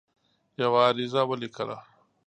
یوه عریضه ولیکله.